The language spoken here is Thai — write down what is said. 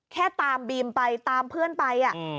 แค่ตามบีมไปตามเพื่อนไป